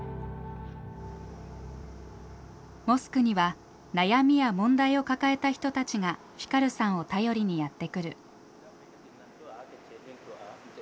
モスクには悩みや問題を抱えた人たちがフィカルさんを頼りにやって来る。